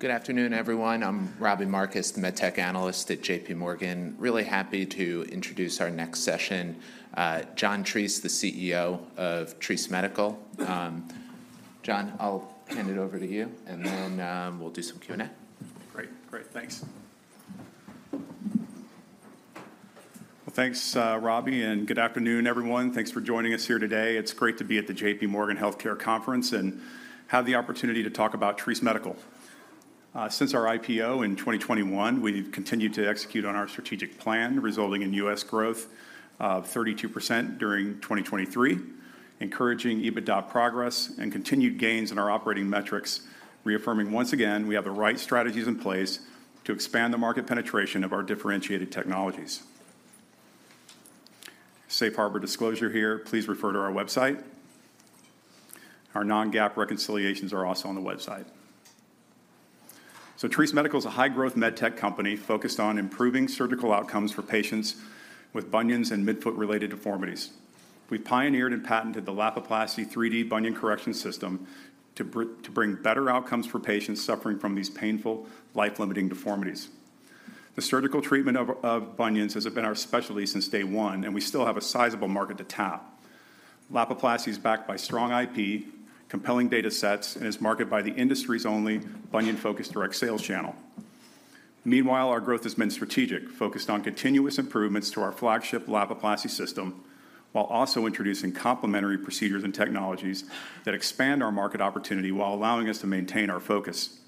Good afternoon, everyone. I'm Robbie Marcus, the MedTech analyst at JPMorgan. Really happy to introduce our next session, John Treace, the CEO of Treace Medical. John, I'll hand it over to you, and then, we'll do some Q&A. Great. Great, thanks. Well, thanks, Robbie, and good afternoon, everyone. Thanks for joining us here today. It's great to be at the JPMorgan Healthcare Conference and have the opportunity to talk about Treace Medical. Since our IPO in 2021, we've continued to execute on our strategic plan, resulting in U.S. growth of 32% during 2023, encouraging EBITDA progress and continued gains in our operating metrics, reaffirming once again, we have the right strategies in place to expand the market penetration of our differentiated technologies. Safe harbor disclosure here, please refer to our website. Our non-GAAP reconciliations are also on the website. So Treace Medical is a high-growth med tech company focused on improving surgical outcomes for patients with bunions and midfoot-related deformities. We've pioneered and patented the Lapiplasty 3D Bunion Correction System to bring better outcomes for patients suffering from these painful, life-limiting deformities. The surgical treatment of bunions has been our specialty since day one, and we still have a sizable market to tap. Lapiplasty is backed by strong IP, compelling data sets, and is marketed by the industry's only bunion-focused direct sales channel. Meanwhile, our growth has been strategic, focused on continuous improvements to our flagship Lapiplasty system, while also introducing complementary procedures and technologies that expand our market opportunity while allowing us to maintain our focus.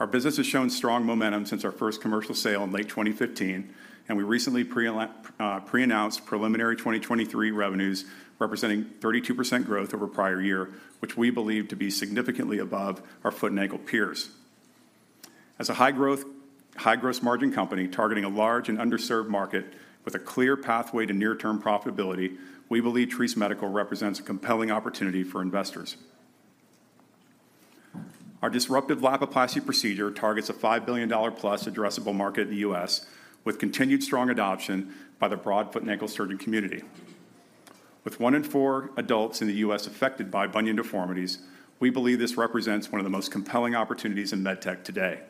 Our business has shown strong momentum since our first commercial sale in late 2015, and we recently pre-announced preliminary 2023 revenues, representing 32% growth over prior year, which we believe to be significantly above our foot and ankle peers. As a high growth, high gross margin company targeting a large and underserved market with a clear pathway to near-term profitability, we believe Treace Medical represents a compelling opportunity for investors. Our disruptive Lapiplasty procedure targets a $5 billion-plus addressable market in the US, with continued strong adoption by the broad foot and ankle surgeon community. With one in four adults in the US affected by bunion deformities, we believe this represents one of the most compelling opportunities in med tech today.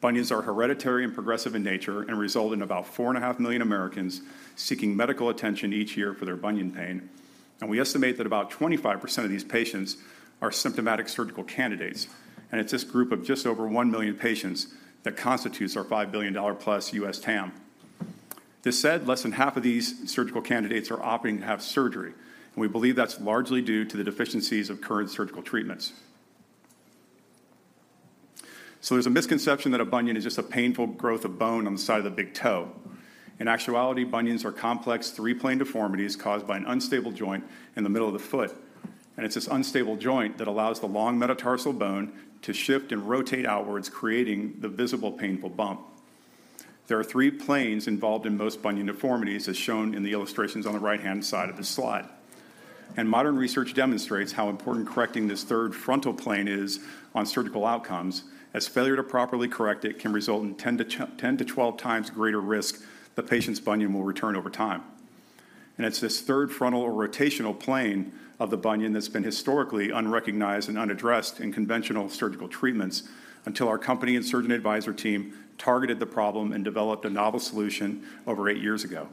Bunions are hereditary and progressive in nature and result in about 4.5 million Americans seeking medical attention each year for their bunion pain, and we estimate that about 25% of these patients are symptomatic surgical candidates. It's this group of just over 1 million patients that constitutes our $5 billion-plus US TAM. This said, less than half of these surgical candidates are opting to have surgery, and we believe that's largely due to the deficiencies of current surgical treatments. There's a misconception that a bunion is just a painful growth of bone on the side of the big toe. In actuality, bunions are complex three-plane deformities caused by an unstable joint in the middle of the foot, and it's this unstable joint that allows the long metatarsal bone to shift and rotate outwards, creating the visible painful bump. There are three planes involved in most bunion deformities, as shown in the illustrations on the right-hand side of the slide. Modern research demonstrates how important correcting this third frontal plane is on surgical outcomes, as failure to properly correct it can result in 10x-12x greater risk the patient's bunion will return over time. It's this third frontal or rotational plane of the bunion that's been historically unrecognized and unaddressed in conventional surgical treatments until our company and surgeon advisor team targeted the problem and developed a novel solution over eight years ago.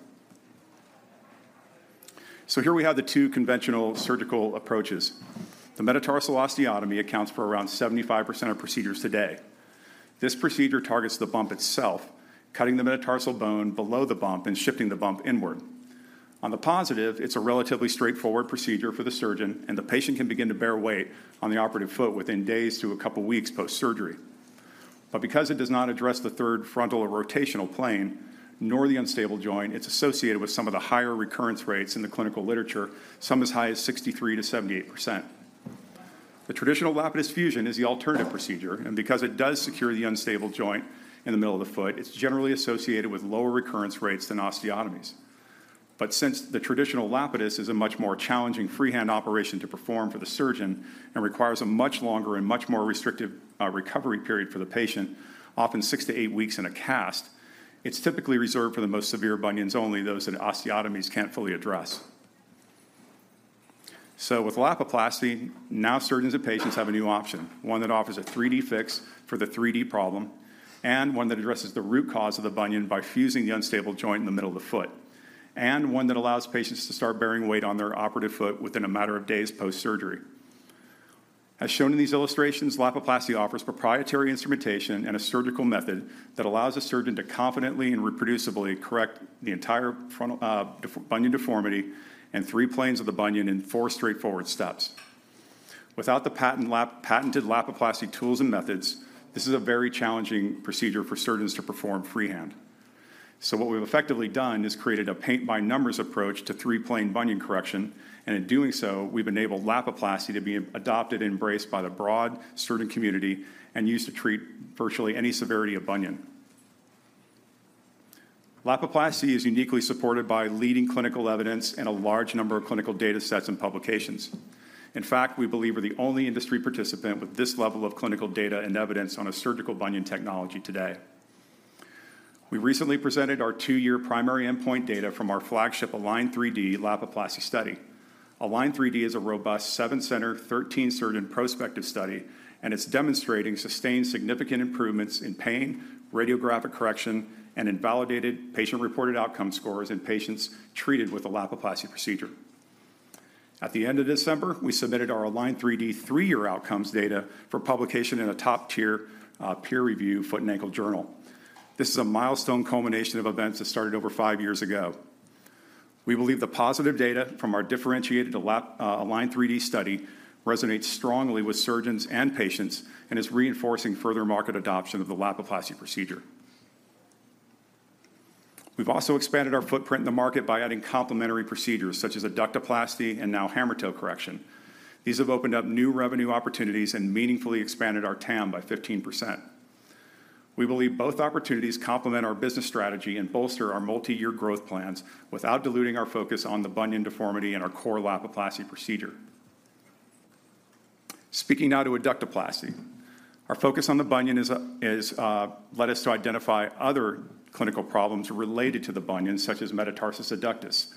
Here we have the two conventional surgical approaches. The metatarsal osteotomy accounts for around 75% of procedures today. This procedure targets the bump itself, cutting the metatarsal bone below the bump and shifting the bump inward. On the positive, it's a relatively straightforward procedure for the surgeon, and the patient can begin to bear weight on the operative foot within days to a couple of weeks post-surgery. But because it does not address the third frontal or rotational plane, nor the unstable joint, it's associated with some of the higher recurrence rates in the clinical literature, some as high as 63%-78%. The traditional Lapidus fusion is the alternative procedure, and because it does secure the unstable joint in the middle of the foot, it's generally associated with lower recurrence rates than osteotomies. But since the traditional Lapidus is a much more challenging freehand operation to perform for the surgeon and requires a much longer and much more restrictive, recovery period for the patient, often six to eight weeks in a cast, it's typically reserved for the most severe bunions only, those that osteotomies can't fully address. So with Lapiplasty, now surgeons and patients have a new option, one that offers a 3D fix for the 3D problem, and one that addresses the root cause of the bunion by fusing the unstable joint in the middle of the foot, and one that allows patients to start bearing weight on their operative foot within a matter of days post-surgery. As shown in these illustrations, Lapiplasty offers proprietary instrumentation and a surgical method that allows a surgeon to confidently and reproducibly correct the entire frontal bunion deformity and three planes of the bunion in four straightforward steps. Without the patented Lapiplasty tools and methods, this is a very challenging procedure for surgeons to perform freehand. So what we've effectively done is created a paint-by-numbers approach to three-plane bunion correction, and in doing so, we've enabled Lapiplasty to be adopted and embraced by the broad surgeon community and used to treat virtually any severity of bunion. Lapiplasty is uniquely supported by leading clinical evidence and a large number of clinical data sets and publications. In fact, we believe we're the only industry participant with this level of clinical data and evidence on a surgical bunion technology today. We recently presented our two year primary endpoint data from our flagship ALIGN3D Lapiplasty study. ALIGN3D is a robust seven center, 13 surgeon prospective study, and it's demonstrating sustained significant improvements in pain, radiographic correction, and in validated patient-reported outcome scores in patients treated with a Lapiplasty procedure. At the end of December, we submitted our ALIGN3D three year outcomes data for publication in a top-tier peer-review foot and ankle journal. This is a milestone culmination of events that started over five years ago. We believe the positive data from our differentiated ALIGN3D study resonates strongly with surgeons and patients and is reinforcing further market adoption of the Lapiplasty procedure. We've also expanded our footprint in the market by adding complementary procedures, such as Adductoplasty and now hammer toe correction. These have opened up new revenue opportunities and meaningfully expanded our TAM by 15%. We believe both opportunities complement our business strategy and bolster our multi-year growth plans without diluting our focus on the bunion deformity and our core Lapiplasty procedure. Speaking now to Adductoplasty, our focus on the bunion led us to identify other clinical problems related to the bunion, such as Metatarsus Adductus.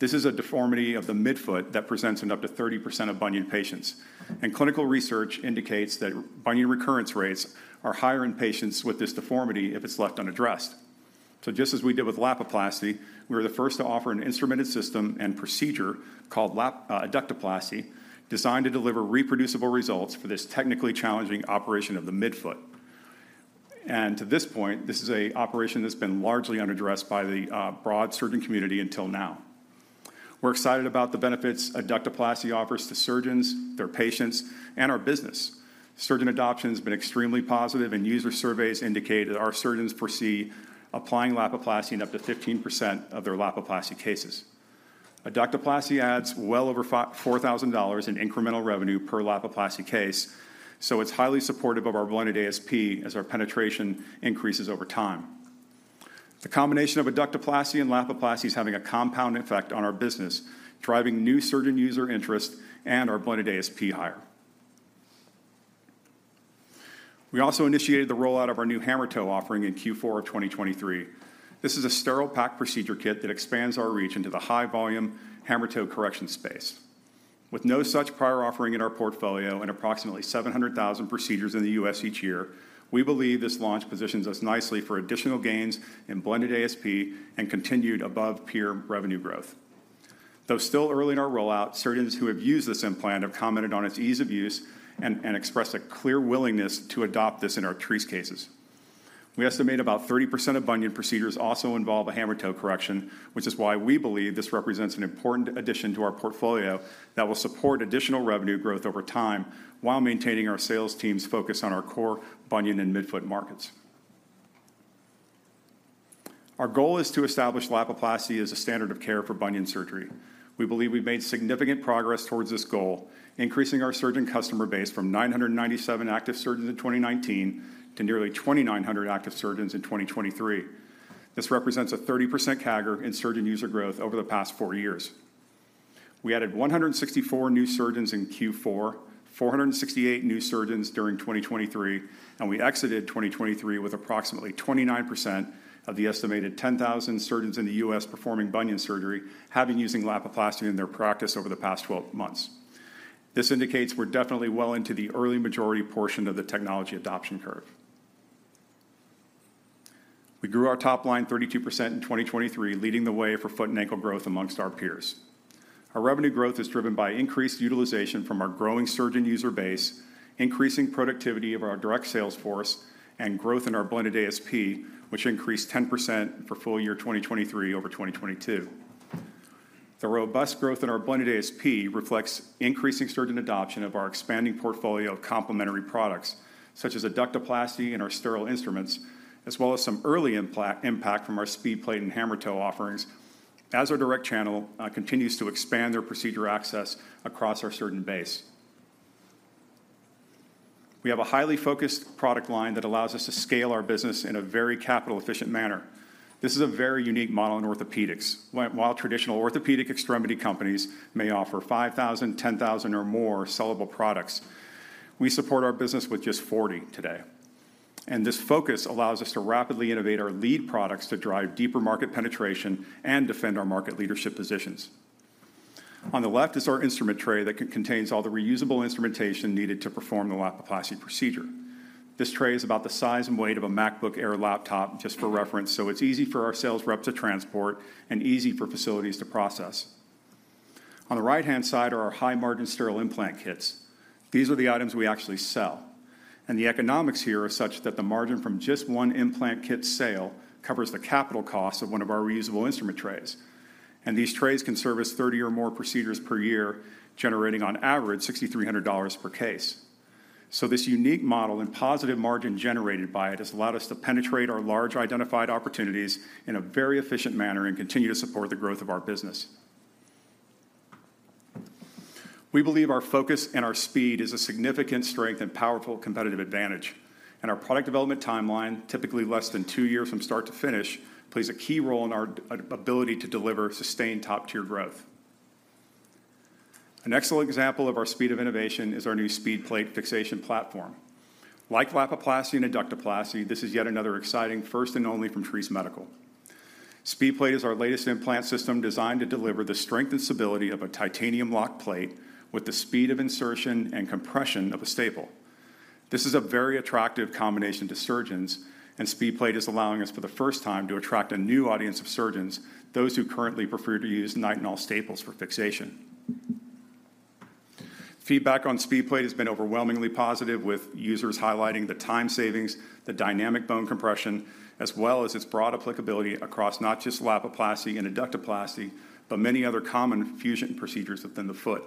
This is a deformity of the midfoot that presents in up to 30% of bunion patients, and clinical research indicates that bunion recurrence rates are higher in patients with this deformity if it's left unaddressed. So just as we did with Lapiplasty, we are the first to offer an instrumented system and procedure called Adductoplasty, designed to deliver reproducible results for this technically challenging operation of the midfoot. And to this point, this is a operation that's been largely unaddressed by the broad surgeon community until now. We're excited about the benefits Adductoplasty offers to surgeons, their patients, and our business. Surgeon adoption has been extremely positive, and user surveys indicate that our surgeons foresee applying Lapiplasty in up to 15% of their Lapiplasty cases. Adductoplasty adds well over $4,000 in incremental revenue per Lapiplasty case, so it's highly supportive of our blended ASP as our penetration increases over time. The combination of Adductoplasty and Lapiplasty is having a compound effect on our business, driving new surgeon user interest and our blended ASP higher. We also initiated the rollout of our new hammertoe offering in Q4 of 2023. This is a sterile pack procedure kit that expands our reach into the high-volume hammertoe correction space. With no such prior offering in our portfolio and approximately 700,000 procedures in the US each year, we believe this launch positions us nicely for additional gains in blended ASP and continued above-peer revenue growth. Though still early in our rollout, surgeons who have used this implant have commented on its ease of use and expressed a clear willingness to adopt this in our Treace cases. We estimate about 30% of bunion procedures also involve a hammer toe correction, which is why we believe this represents an important addition to our portfolio that will support additional revenue growth over time while maintaining our sales team's focus on our core bunion and midfoot markets. Our goal is to establish Lapiplasty as a standard of care for bunion surgery. We believe we've made significant progress towards this goal, increasing our surgeon customer base from 997 active surgeons in 2019 to nearly 2,900 active surgeons in 2023. This represents a 30% CAGR in surgeon user growth over the past four years. We added 164 new surgeons in Q4, 468 new surgeons during 2023, and we exited 2023 with approximately 29% of the estimated 10,000 surgeons in the U.S. performing bunion surgery, having used Lapiplasty in their practice over the past twelve months. This indicates we're definitely well into the early majority portion of the technology adoption curve. We grew our top line 32% in 2023, leading the way for foot and ankle growth amongst our peers. Our revenue growth is driven by increased utilization from our growing surgeon user base, increasing productivity of our direct sales force, and growth in our blended ASP, which increased 10% for full year 2023 over 2022. The robust growth in our blended ASP reflects increasing surgeon adoption of our expanding portfolio of complementary products, such as Adductoplasty and our sterile instruments, as well as some early impact from our SpeedPlate and hammer toe offerings, as our direct channel continues to expand their procedure access across our surgeon base. We have a highly focused product line that allows us to scale our business in a very capital-efficient manner. This is a very unique model in orthopedics. While traditional orthopedic extremity companies may offer 5,000, 10,000 or more sellable products, we support our business with just 40 today, and this focus allows us to rapidly innovate our lead products to drive deeper market penetration and defend our market leadership positions. On the left is our instrument tray that contains all the reusable instrumentation needed to perform the Lapiplasty procedure. This tray is about the size and weight of a MacBook Air laptop, just for reference, so it's easy for our sales rep to transport and easy for facilities to process. On the right-hand side are our high-margin sterile implant kits. These are the items we actually sell, and the economics here are such that the margin from just one implant kit sale covers the capital costs of one of our reusable instrument trays, and these trays can service 30 or more procedures per year, generating, on average, $6,300 per case. So this unique model and positive margin generated by it has allowed us to penetrate our large identified opportunities in a very efficient manner and continue to support the growth of our business. We believe our focus and our speed is a significant strength and powerful competitive advantage, and our product development timeline, typically less than two years from start to finish, plays a key role in our ability to deliver sustained top-tier growth. An excellent example of our speed of innovation is our new SpeedPlate fixation platform. Like Lapiplasty and Adductoplasty, this is yet another exciting first and only from Treace Medical. SpeedPlate is our latest implant system designed to deliver the strength and stability of a titanium locking plate with the speed of insertion and compression of a staple. This is a very attractive combination to surgeons, and SpeedPlate is allowing us for the first time to attract a new audience of surgeons, those who currently prefer to use Nitinol staples for fixation. Feedback on SpeedPlate has been overwhelmingly positive, with users highlighting the time savings, the dynamic bone compression, as well as its broad applicability across not just Lapiplasty and Adductoplasty, but many other common fusion procedures within the foot.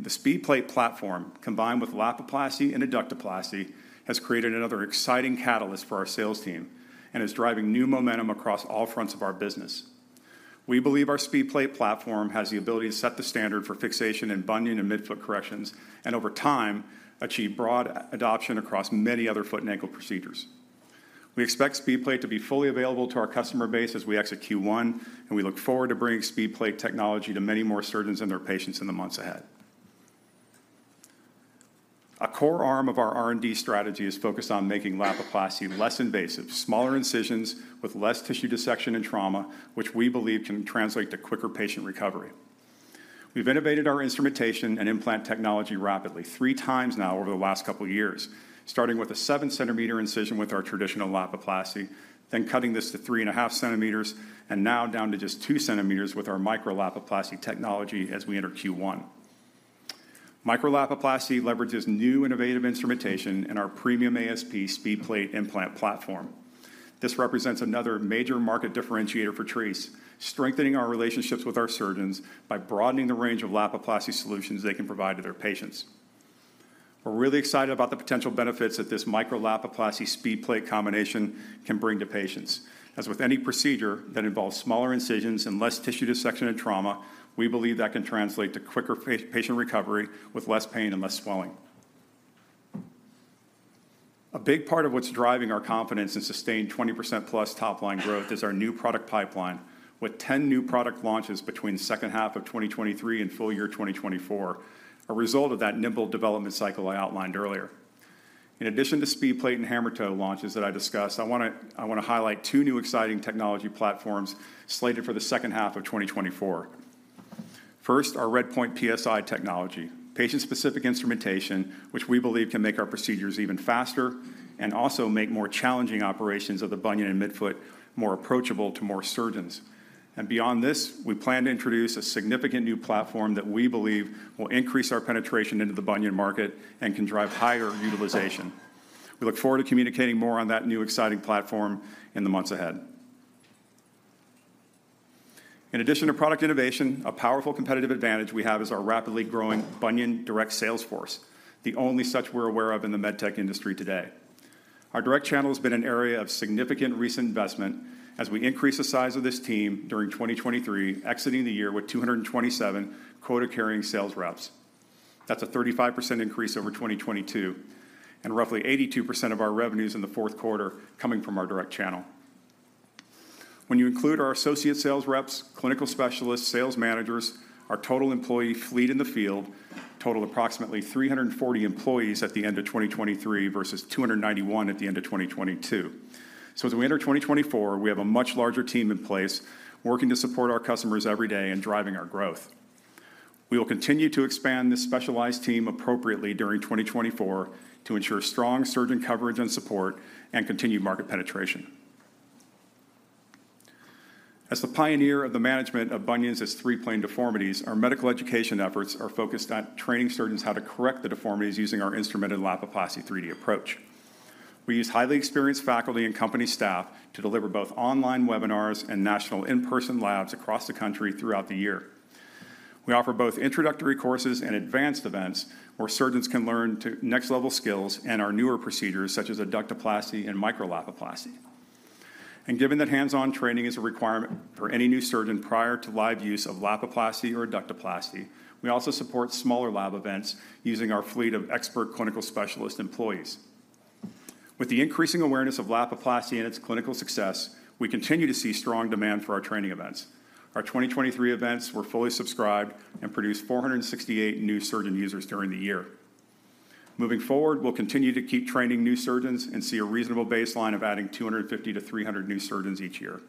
The SpeedPlate platform, combined with Lapiplasty and Adductoplasty, has created another exciting catalyst for our sales team and is driving new momentum across all fronts of our business. We believe our SpeedPlate platform has the ability to set the standard for fixation and bunion and midfoot corrections, and over time, achieve broad adoption across many other foot and ankle procedures. We expect SpeedPlate to be fully available to our customer base as we exit Q1, and we look forward to bringing SpeedPlate technology to many more surgeons and their patients in the months ahead. A core arm of our R&D strategy is focused on making Lapiplasty less invasive, smaller incisions with less tissue dissection and trauma, which we believe can translate to quicker patient recovery. We've innovated our instrumentation and implant technology rapidly, three times now over the last couple of years, starting with a 7cm incision with our traditional Lapiplasty, then cutting this to 3.5cm, and now down to just 2cm with our Micro-Lapiplasty technology as we enter Q1. Micro-Lapiplasty leverages new innovative instrumentation in our premium ASP SpeedPlate implant platform. This represents another major market differentiator for Treace, strengthening our relationships with our surgeons by broadening the range of Lapiplasty solutions they can provide to their patients. We're really excited about the potential benefits that this Micro-Lapiplasty SpeedPlate combination can bring to patients. As with any procedure that involves smaller incisions and less tissue dissection and trauma, we believe that can translate to quicker patient recovery with less pain and less swelling. A big part of what's driving our confidence in sustained 20%+ top-line growth is our new product pipeline, with 10 new product launches between the second half of 2023 and full year 2024, a result of that nimble development cycle I outlined earlier. In addition to SpeedPlate and Hammertoe launches that I discussed, I wanna highlight two new exciting technology platforms slated for the second half of 2024. First, our RedPoint PSI technology, patient-specific instrumentation, which we believe can make our procedures even faster and also make more challenging operations of the bunion and midfoot more approachable to more surgeons. Beyond this, we plan to introduce a significant new platform that we believe will increase our penetration into the bunion market and can drive higher utilization. We look forward to communicating more on that new exciting platform in the months ahead. In addition to product innovation, a powerful competitive advantage we have is our rapidly growing Bunion Direct Sales Force, the only such we're aware of in the MedTech industry today. Our direct channel has been an area of significant recent investment as we increase the size of this team during 2023, exiting the year with 227 quota-carrying sales reps. That's a 35% increase over 2022, and roughly 82% of our revenues in the fourth quarter coming from our direct channel. When you include our associate sales reps, clinical specialists, sales managers, our total employee fleet in the field totaled approximately 340 employees at the end of 2023 versus 291 at the end of 2022. So as we enter 2024, we have a much larger team in place, working to support our customers every day and driving our growth. We will continue to expand this specialized team appropriately during 2024 to ensure strong surgeon coverage and support and continued market penetration. As the pioneer of the management of bunions as three-plane deformities, our medical education efforts are focused on training surgeons how to correct the deformities using our instrumented Lapiplasty 3D approach. We use highly experienced faculty and company staff to deliver both online webinars and national in-person labs across the country throughout the year. We offer both introductory courses and advanced events, where surgeons can learn next-level skills and our newer procedures, such as Adductoplasty and Micro-Lapiplasty. Given that hands-on training is a requirement for any new surgeon prior to live use of Lapiplasty or Adductoplasty, we also support smaller lab events using our fleet of expert clinical specialist employees. With the increasing awareness of Lapiplasty and its clinical success, we continue to see strong demand for our training events. Our 2023 events were fully subscribed and produced 468 new surgeon users during the year. Moving forward, we'll continue to keep training new surgeons and see a reasonable baseline of adding 250-300 new surgeons each year.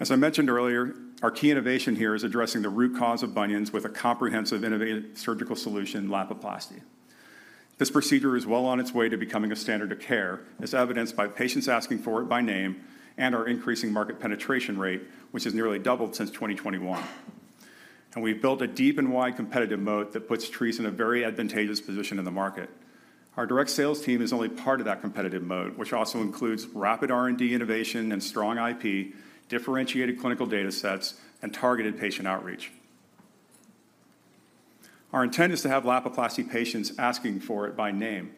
As I mentioned earlier, our key innovation here is addressing the root cause of bunions with a comprehensive, innovative surgical solution, Lapiplasty. This procedure is well on its way to becoming a standard of care, as evidenced by patients asking for it by name and our increasing market penetration rate, which has nearly doubled since 2021. We've built a deep and wide competitive moat that puts Treace in a very advantageous position in the market. Our direct sales team is only part of that competitive moat, which also includes rapid R&D innovation and strong IP, differentiated clinical data sets, and targeted patient outreach. Our intent is to have Lapiplasty patients asking for it by name.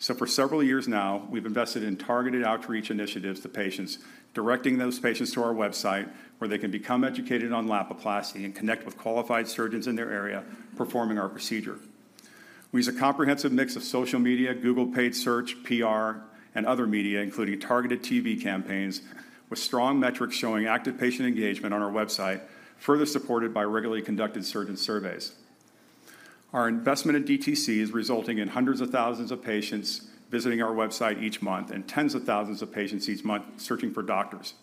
So for several years now, we've invested in targeted outreach initiatives to patients, directing those patients to our website, where they can become educated on Lapiplasty and connect with qualified surgeons in their area performing our procedure. We use a comprehensive mix of social media, Google paid search, PR, and other media, including targeted TV campaigns, with strong metrics showing active patient engagement on our website, further supported by regularly conducted surgeon surveys. Our investment in DTC is resulting in hundreds of thousands of patients visiting our website each month and tens of thousands of patients each month searching for doctors.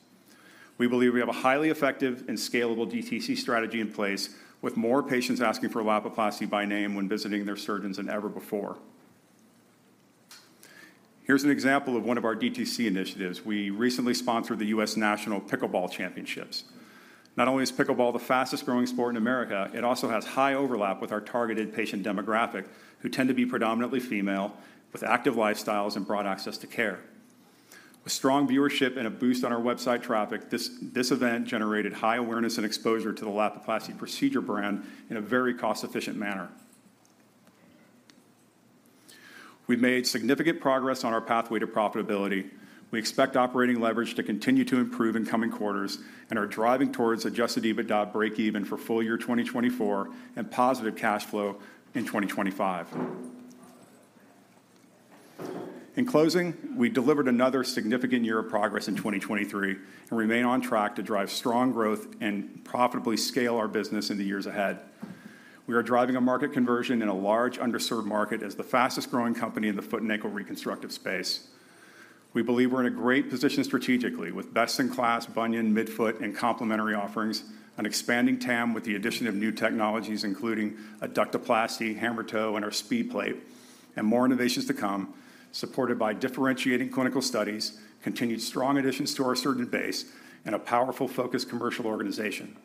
We believe we have a highly effective and scalable DTC strategy in place, with more patients asking for Lapiplasty by name when visiting their surgeons than ever before. Here's an example of one of our DTC initiatives. We recently sponsored the U.S. National Pickleball Championships. Not only is pickleball the fastest-growing sport in America, it also has high overlap with our targeted patient demographic, who tend to be predominantly female with active lifestyles and broad access to care. With strong viewership and a boost on our website traffic, this event generated high awareness and exposure to the Lapiplasty procedure brand in a very cost-efficient manner. We've made significant progress on our pathway to profitability. We expect operating leverage to continue to improve in coming quarters and are driving towards adjusted EBITDA breakeven for full year 2024 and positive cash flow in 2025. In closing, we delivered another significant year of progress in 2023 and remain on track to drive strong growth and profitably scale our business in the years ahead. We are driving a market conversion in a large underserved market as the fastest-growing company in the foot and ankle reconstructive space. We believe we're in a great position strategically, with best-in-class bunion, midfoot, and complementary offerings, an expanding TAM with the addition of new technologies, including Adductoplasty, hammertoe, and our SpeedPlate, and more innovations to come, supported by differentiating clinical studies, continued strong additions to our surgeon base, and a powerful focused commercial organization.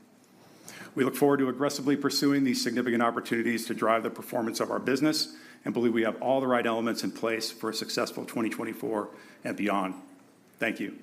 We look forward to aggressively pursuing these significant opportunities to drive the performance of our business and believe we have all the right elements in place for a successful 2024 and beyond. Thank you.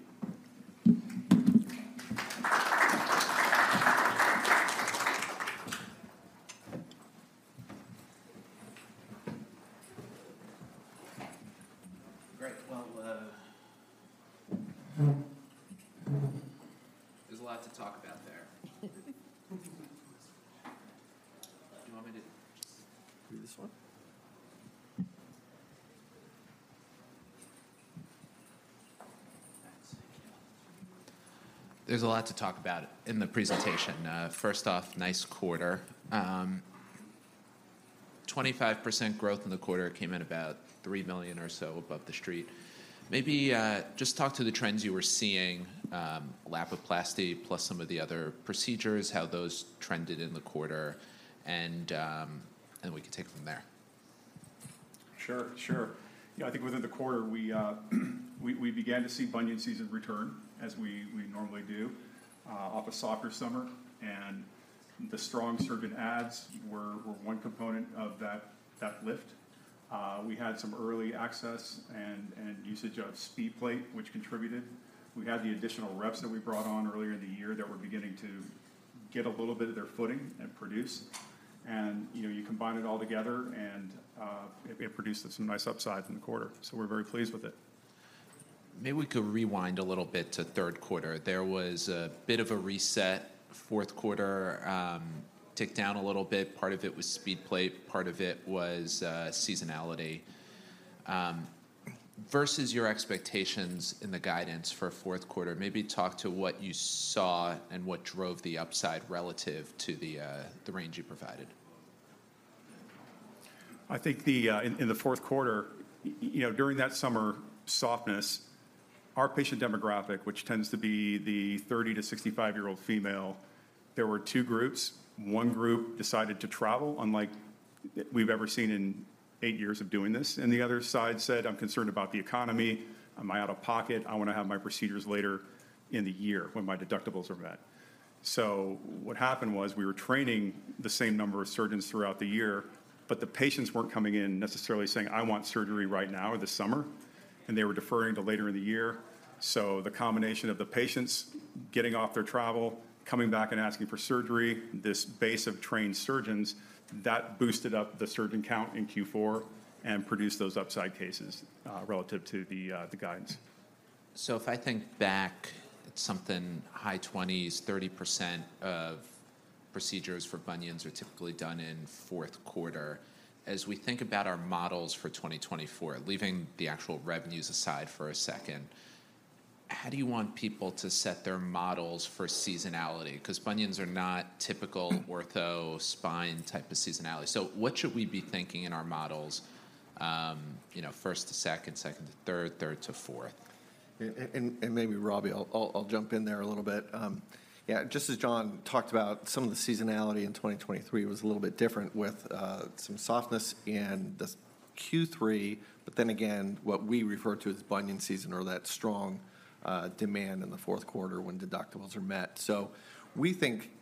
Great. Well, there's a lot to talk about there. Do you want me to just do this one? Thanks. There's a lot to talk about in the presentation. First off, nice quarter. 25% growth in the quarter came in about $3 million or so above the street. Maybe, just talk to the trends you were seeing, Lapiplasty plus some of the other procedures, how those trended in the quarter, and, and we can take it from there. Sure, sure. Yeah, I think within the quarter, we began to see bunion season return, as we normally do, off a soccer summer, and the strong surgeon ads were one component of that lift. We had some early access and usage of SpeedPlate, which contributed. We had the additional reps that we brought on earlier in the year that were beginning to get a little bit of their footing and produce. And, you know, you combine it all together, and it produced some nice upside in the quarter, so we're very pleased with it. Maybe we could rewind a little bit to third quarter. There was a bit of a reset. Fourth quarter ticked down a little bit. Part of it was SpeedPlate, part of it was seasonality. Versus your expectations in the guidance for fourth quarter, maybe talk to what you saw and what drove the upside relative to the range you provided. I think, in the fourth quarter, you know, during that summer softness, our patient demographic, which tends to be the 30-65-year-old female, there were two groups. One group decided to travel, unlike we've ever seen in eight years of doing this, and the other side said: "I'm concerned about the economy, and my out-of-pocket. I want to have my procedures later in the year when my deductibles are met." So what happened was, we were training the same number of surgeons throughout the year, but the patients weren't coming in necessarily saying, "I want surgery right now or this summer," and they were deferring to later in the year. So the combination of the patients getting off their travel, coming back and asking for surgery, this base of trained surgeons, that boosted up the surgeon count in Q4 and produced those upside cases, relative to the guidance. So if I think back, it's something high 20s, 30% of procedures for bunions are typically done in fourth quarter. As we think about our models for 2024, leaving the actual revenues aside for a second, how do you want people to set their models for seasonality? 'Cause bunions are not typical ortho, spine type of seasonality. So what should we be thinking in our models, you know, first to second, second to third, third to fourth? Maybe, Robbie, I'll jump in there a little bit. Yeah, just as John talked about, some of the seasonality in 2023 was a little bit different with some softness in the Q3, but then again, what we refer to as bunion season or that strong demand in the fourth quarter when deductibles are met. So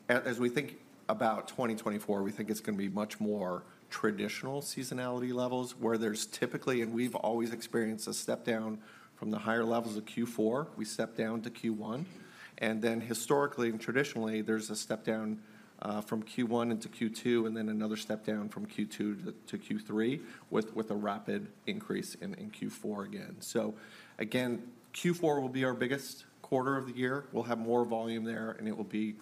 as we think about 2024, we think it's going to be much more traditional seasonality levels, where there's typically, and we've always experienced a step down from the higher levels of Q4, we step down to Q1. And then historically and traditionally, there's a step down from Q1 into Q2, and then another step down from Q2 to Q3, with a rapid increase in Q4 again. So again, Q4 will be our biggest quarter of the year. We'll have more volume there, and it will be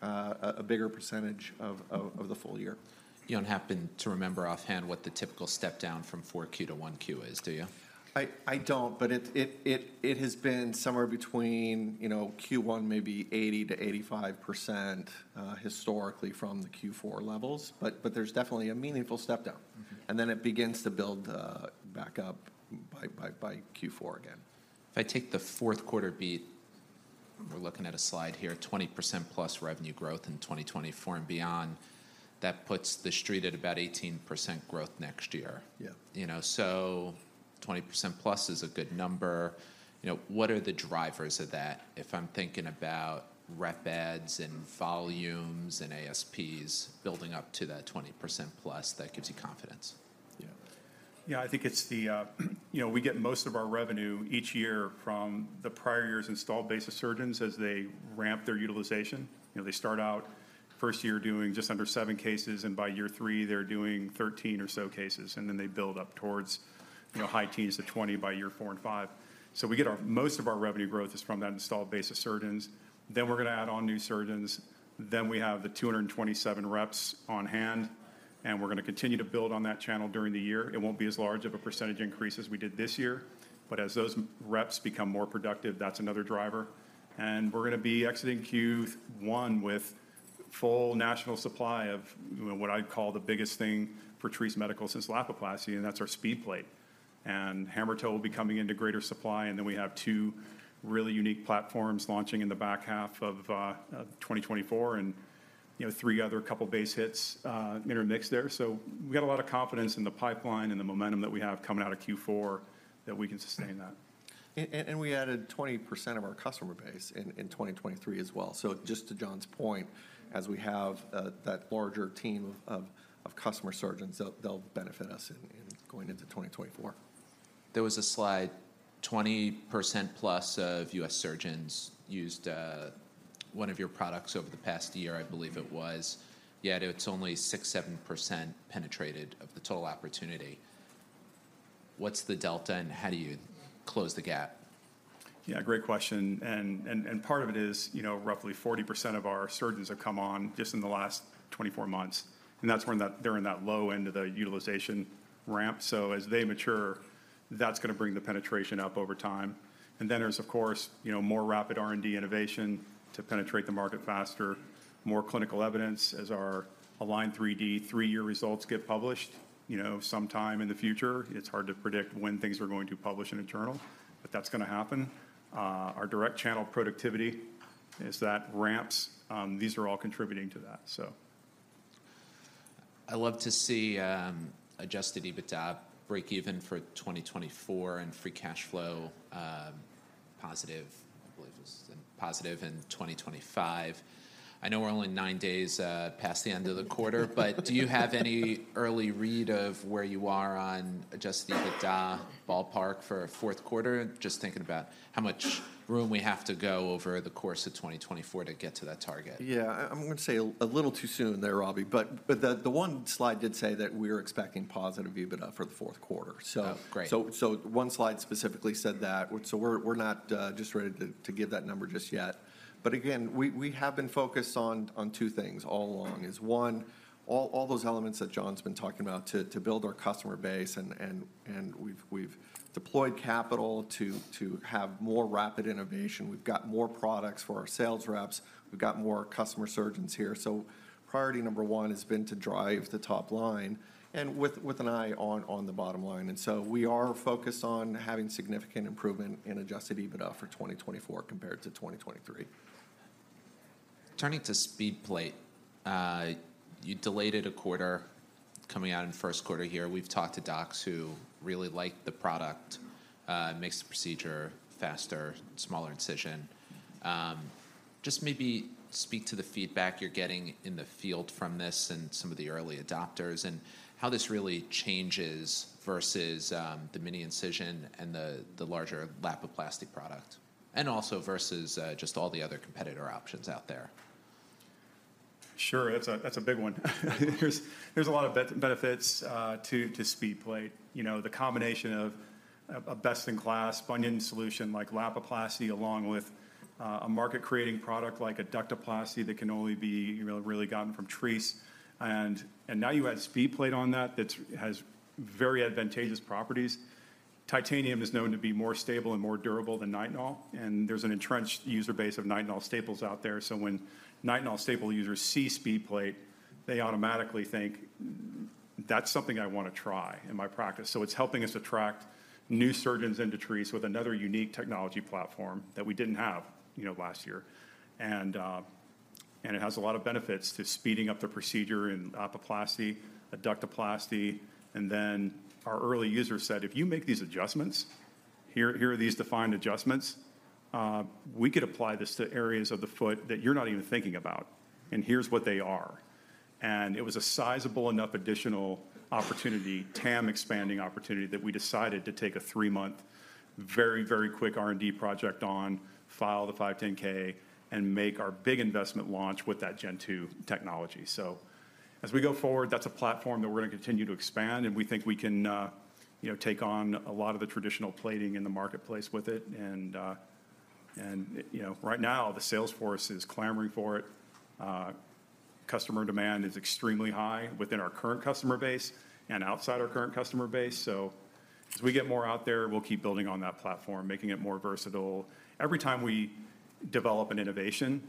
a bigger percentage of the full year. You don't happen to remember offhand what the typical step down from 4Q to 1Q is, do you? I don't, but it has been somewhere between, you know, Q1, maybe 80%-85%, historically from the Q4 levels. But there's definitely a meaningful step down. Mm-hmm. Then it begins to build back up by Q4 again. If I take the fourth quarter beat, we're looking at a slide here, 20%+ revenue growth in 2024 and beyond, that puts the street at about 18% growth next year. Yeah. You know, so 20%+ is a good number. You know, what are the drivers of that? If I'm thinking about rep adds, and volumes, and ASPs building up to that 20%+, that gives you confidence. Yeah. Yeah, I think it's the, you know, we get most of our revenue each year from the prior year's installed base of surgeons as they ramp their utilization. You know, they start out first year doing just under seven cases, and by year three, they're doing 13 or so cases, and then they build up towards, you know, high teens to 20 by year four and five. So we get our most of our revenue growth is from that installed base of surgeons. Then we're gonna add on new surgeons, then we have the 227 reps on hand, and we're gonna continue to build on that channel during the year. It won't be as large of a percentage increase as we did this year, but as those reps become more productive, that's another driver. We're gonna be exiting Q1 with full national supply of, you know, what I'd call the biggest thing for Treace Medical since Lapiplasty, and that's our SpeedPlate. Hammertoe will be coming into greater supply, and then we have two really unique platforms launching in the back half of 2024, and, you know, three other couple base hits, intermixed there. So we've got a lot of confidence in the pipeline and the momentum that we have coming out of Q4, that we can sustain that. And we added 20% of our customer base in 2023 as well. So just to John's point, as we have that larger team of customer surgeons, they'll benefit us in going into 2024. There was a slide, 20%+ of U.S. surgeons used one of your products over the past year, I believe it was, yet it's only 6%-7% penetrated of the total opportunity. What's the delta, and how do you close the gap? Yeah, great question. And part of it is, you know, roughly 40% of our surgeons have come on just in the last 24 months, and that's when they're in that low end of the utilization ramp. So as they mature, that's gonna bring the penetration up over time. And then there's, of course, you know, more rapid R&D innovation to penetrate the market faster, more clinical evidence as our ALIGN3D three year results get published, you know, sometime in the future. It's hard to predict when things are going to publish in a journal, but that's gonna happen. Our direct channel productivity, as that ramps, these are all contributing to that, so, I love to see adjusted EBITDA break even for 2024 and free cash flow positive. I believe it's positive in 2025. I know we're only nine days past the end of the quarter but do you have any early read of where you are on adjusted EBITDA ballpark for fourth quarter? Just thinking about how much room we have to go over the course of 2024 to get to that target. Yeah. I'm going to say a little too soon there, Robbie, but the one slide did say that we're expecting positive EBITDA for the fourth quarter, so Oh, great. So one slide specifically said that. So we're not just ready to give that number just yet. But again, we have been focused on two things all along: one, all those elements that John's been talking about to build our customer base and we've deployed capital to have more rapid innovation. We've got more products for our sales reps. We've got more customer surgeons here. So priority number one has been to drive the top line, and with an eye on the bottom line. And so we are focused on having significant improvement in adjusted EBITDA for 2024 compared to 2023. Turning to SpeedPlate, you delayed it a quarter, coming out in the first quarter here. We've talked to docs who really like the product. It makes the procedure faster, smaller incision. Just maybe speak to the feedback you're getting in the field from this and some of the early adopters, and how this really changes versus the mini incision and the larger Lapiplasty product, and also versus just all the other competitor options out there. Sure. That's a big one. There's a lot of benefits to SpeedPlate. You know, the combination of a best-in-class bunion solution like Lapiplasty, along with a market-creating product like Adductoplasty that can only be, you know, really gotten from Treace. And now you add SpeedPlate on that, that has very advantageous properties. Titanium is known to be more stable and more durable than Nitinol, and there's an entrenched user base of Nitinol staples out there. So when Nitinol staple users see SpeedPlate, they automatically think, "That's something I want to try in my practice." So it's helping us attract new surgeons into Treace with another unique technology platform that we didn't have, you know, last year. And it has a lot of benefits to speeding up the procedure in Lapiplasty, Adductoplasty. And then our early users said, "If you make these adjustments, here, here are these defined adjustments, we could apply this to areas of the foot that you're not even thinking about, and here's what they are." And it was a sizable enough additional opportunity, TAM expanding opportunity, that we decided to take a three-month, very, very quick R&D project on, file the 510(k), and make our big investment launch with that Gen 2 technology. So as we go forward, that's a platform that we're gonna continue to expand, and we think we can, you know, take on a lot of the traditional plating in the marketplace with it. And, and, you know, right now, the sales force is clamoring for it. Customer demand is extremely high within our current customer base and outside our current customer base. As we get more out there, we'll keep building on that platform, making it more versatile. Every time we develop an innovation,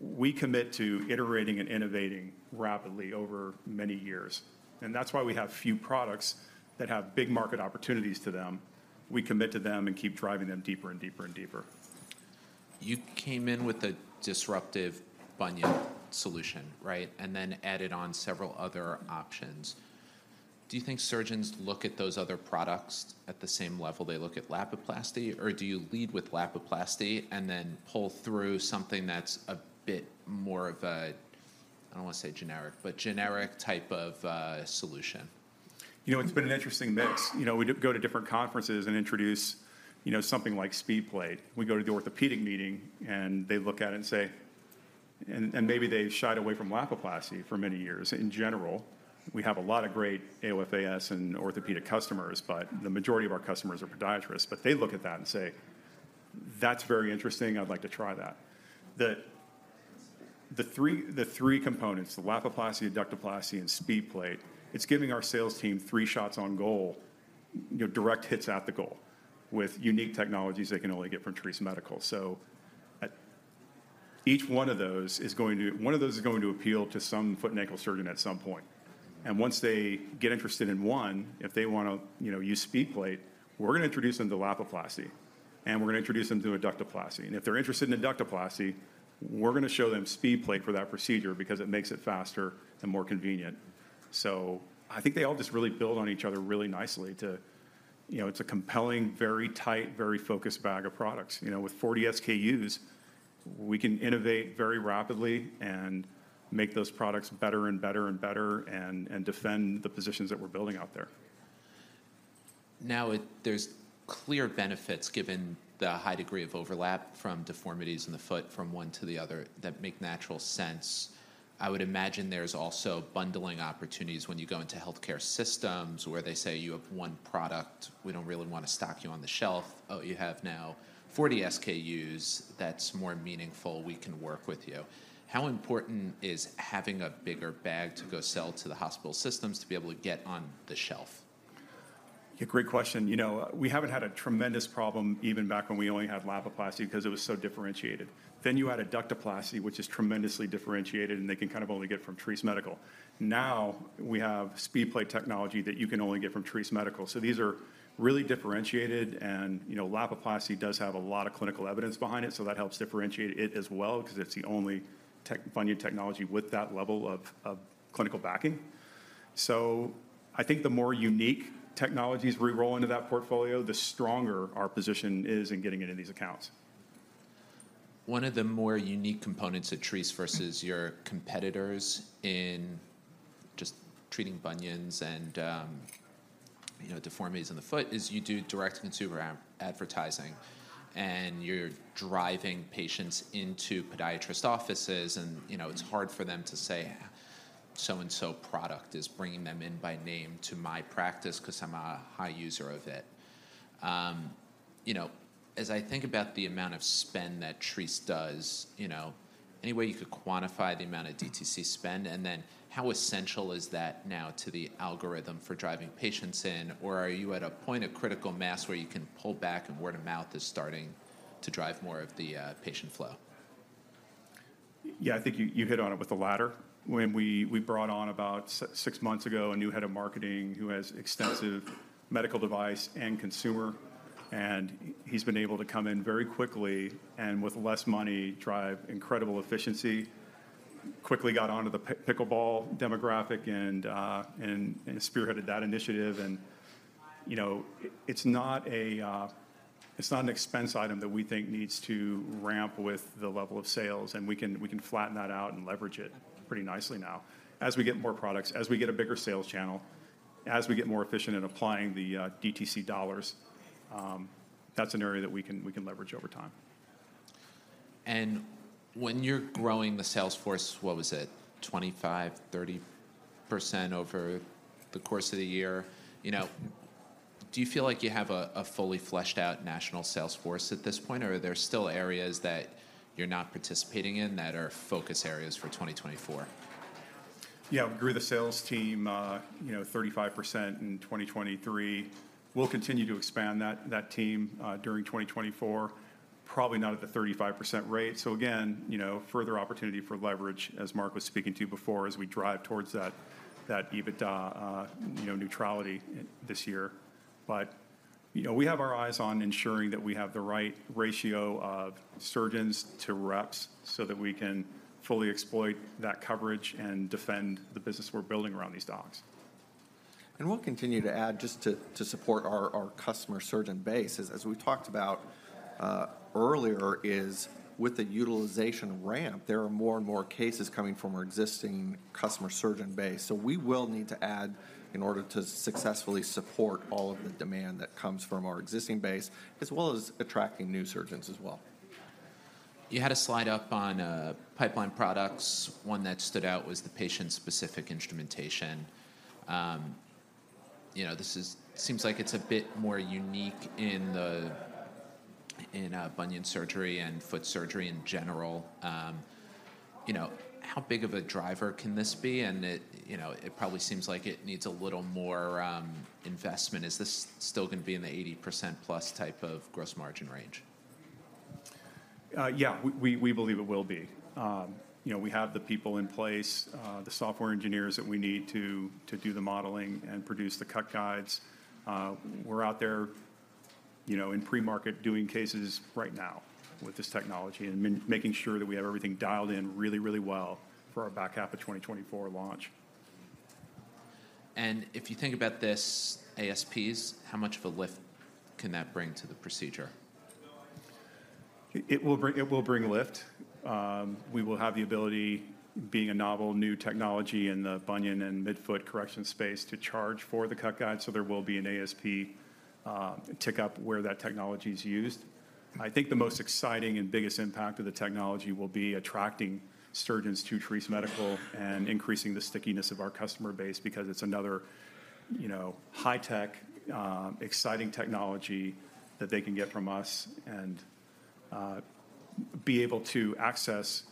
we commit to iterating and innovating rapidly over many years, and that's why we have few products that have big market opportunities to them. We commit to them and keep driving them deeper and deeper and deeper. You came in with a disruptive bunion solution, right? And then added on several other options. Do you think surgeons look at those other products at the same level they look at Lapiplasty, or do you lead with Lapiplasty and then pull through something that's a bit more of a, I don't want to say generic, but generic type of solution? You know, it's been an interesting mix. You know, we go to different conferences and introduce, you know, something like SpeedPlate. We go to the orthopedic meeting, and they look at it and say... And maybe they've shied away from Lapiplasty for many years. In general, we have a lot of great AOFAS and orthopedic customers, but the majority of our customers are podiatrists. But they look at that and say, "That's very interesting. I'd like to try that." The three components, the Lapiplasty, Adductoplasty, and SpeedPlate, it's giving our sales team three shots on goal, you know, direct hits at the goal, with unique technologies they can only get from Treace Medical. So each one of those is going to, One of those is going to appeal to some foot and ankle surgeon at some point. Once they get interested in one, if they want to, you know, use SpeedPlate, we're going to introduce them to Lapiplasty, and we're going to introduce them to Adductoplasty. If they're interested in Adductoplasty, we're going to show them SpeedPlate for that procedure because it makes it faster and more convenient. So I think they all just really build on each other really nicely to. You know, it's a compelling, very tight, very focused bag of products. You know, with 40 SKUs, we can innovate very rapidly and make those products better and better and better and, and defend the positions that we're building out there. Now, there's clear benefits, given the high degree of overlap from deformities in the foot from one to the other, that make natural sense. I would imagine there's also bundling opportunities when you go into healthcare systems, where they say, "You have one product. We don't really want to stock you on the shelf. Oh, you have now 40 SKUs. That's more meaningful. We can work with you." How important is having a bigger bag to go sell to the hospital systems to be able to get on the shelf? Yeah, great question. You know, we haven't had a tremendous problem even back when we only had Lapiplasty because it was so differentiated. Then you add Adductoplasty, which is tremendously differentiated, and they can kind of only get from Treace Medical. Now, we have SpeedPlate technology that you can only get from Treace Medical. So these are really differentiated, and, you know, Lapiplasty does have a lot of clinical evidence behind it, so that helps differentiate it as well, because it's the only bunion technology with that level of, of clinical backing. So I think the more unique technologies we roll into that portfolio, the stronger our position is in getting into these accounts. One of the more unique components at Treace versus your competitors in just treating bunions and, you know, deformities in the foot, is you do direct-to-consumer advertising, and you're driving patients into podiatrist offices, and, you know, it's hard for them to say, "So and so product is bringing them in by name to my practice because I'm a high user of it." You know, as I think about the amount of spend that Treace does, you know, any way you could quantify the amount of DTC spend? And then how essential is that now to the algorithm for driving patients in? Or are you at a point of critical mass where you can pull back, and word of mouth is starting to drive more of the patient flow? Yeah, I think you hit on it with the latter. When we brought on about six months ago, a new head of marketing who has extensive medical device and consumer, and he's been able to come in very quickly and with less money, drive incredible efficiency, quickly got onto the pickleball demographic, and spearheaded that initiative. And, you know, it's not an expense item that we think needs to ramp with the level of sales, and we can flatten that out and leverage it pretty nicely now. As we get more products, as we get a bigger sales channel, as we get more efficient in applying the DTC dollars, that's an area that we can leverage over time. When you're growing the sales force, what was it? 25%-30% over the course of the year. You know, do you feel like you have a fully fleshed out national sales force at this point, or are there still areas that you're not participating in that are focus areas for 2024? Yeah, I agree. The sales team, you know, 35% in 2023. We'll continue to expand that, that team, during 2024, probably not at the 35% rate. So again, you know, further opportunity for leverage, as Mark was speaking to before, as we drive towards that, that EBITDA, you know, neutrality this year. But, you know, we have our eyes on ensuring that we have the right ratio of surgeons to reps so that we can fully exploit that coverage and defend the business we're building around these docs. We'll continue to add just to support our customer surgeon base. As we talked about earlier, is with the utilization ramp, there are more and more cases coming from our existing customer surgeon base. So we will need to add in order to successfully support all of the demand that comes from our existing base, as well as attracting new surgeons as well. You had a slide up on pipeline products. One that stood out was the Patient-Specific Instrumentation. You know, this seems like it's a bit more unique in the bunion surgery and foot surgery in general, you know, how big of a driver can this be? And it, you know, it probably seems like it needs a little more investment. Is this still gonna be in the 80%+ type of gross margin range? Yeah, we believe it will be. You know, we have the people in place, the software engineers that we need to do the modeling and produce the cut guides. We're out there, you know, in pre-market doing cases right now with this technology and making sure that we have everything dialed in really, really well for our back half of 2024 launch. If you think about this ASPs, how much of a lift can that bring to the procedure? It will bring lift. We will have the ability, being a novel, new technology in the bunion and midfoot correction space, to charge for the cut guide, so there will be an ASP tick-up where that technology's used. I think the most exciting and biggest impact of the technology will be attracting surgeons to Treace Medical and increasing the stickiness of our customer base because it's another, you know, high-tech, exciting technology that they can get from us, and be able to access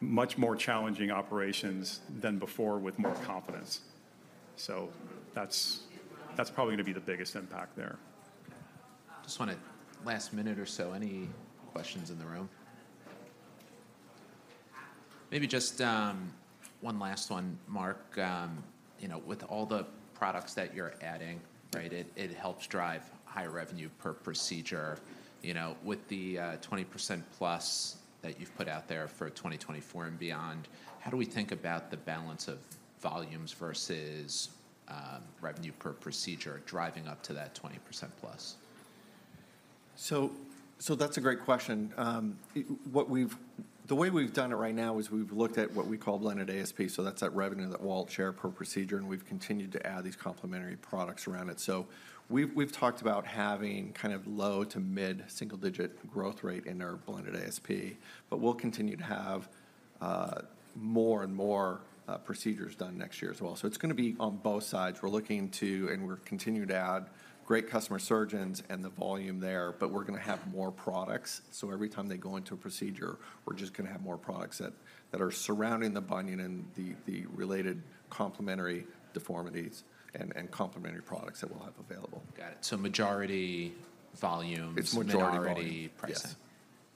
much more challenging operations than before with more confidence. So that's probably gonna be the biggest impact there. Just wanna last minute or so, any questions in the room? Maybe just one last one, Mark. You know, with all the products that you're adding, right, it helps drive higher revenue per procedure. You know, with the 20%+ that you've put out there for 2024 and beyond, how do we think about the balance of volumes versus revenue per procedure driving up to that 20%+? So that's a great question. What we've done it right now is we've looked at what we call blended ASP, so that's that revenue that walt shared per procedure, and we've continued to add these complementary products around it. So we've talked about having kind of low- to mid-single-digit growth rate in our blended ASP, but we'll continue to have more and more procedures done next year as well. So it's gonna be on both sides. We're looking to and we're continuing to add great customer surgeons and the volume there, but we're gonna have more products. So every time they go into a procedure, we're just gonna have more products that are surrounding the bunion and the related complementary deformities and complementary products that we'll have available. Got it. So majority volume It's majority volume. majority pricing. Yes.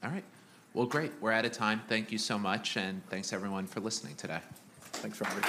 All right. Well, great. We're out of time. Thank you so much, and thanks, everyone, for listening today. Thanks, Robert.